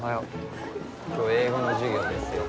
今日英語の授業ですよ。